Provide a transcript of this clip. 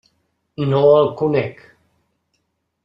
No el conec.